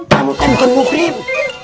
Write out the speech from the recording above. kamu kan bukan muklim